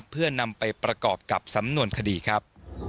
เพื่อนำไปประกอบกับสำนวนคดีครับ